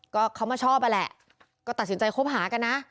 ก็เขามาชอบอ่ะแหละก็ตัดสินใจคบหากันนะ